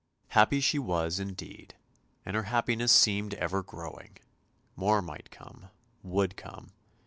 Happy she was indeed, and her happiness seemed ever growing; more might come, would come.